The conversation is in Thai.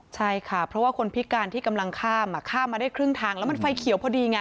ใช่ค่ะเพราะว่าคนพิการที่กำลังข้ามข้ามมาได้ครึ่งทางแล้วมันไฟเขียวพอดีไง